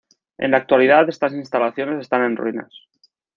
En la actualidad, estas instalaciones están en ruinas.